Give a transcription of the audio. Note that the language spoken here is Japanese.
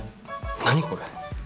何これ？